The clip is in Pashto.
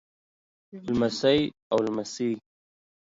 لمسۍ او لمسى